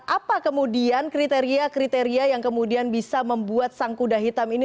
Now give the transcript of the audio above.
apa kemudian kriteria kriteria yang kemudian bisa membuat sang kuda hitam ini